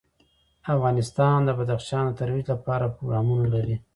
افغانستان د بدخشان د ترویج لپاره پروګرامونه لري.